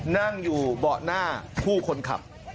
นั่งอยู่เบาะหน้าผู้คนขับ